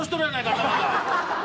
頭が。